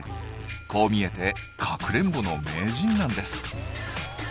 こう見えてかくれんぼの名人なんです。